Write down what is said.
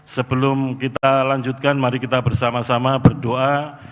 sebelum kita lanjutkan mari kita bersama sama berdoa